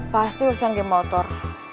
pasti udah sengaja motor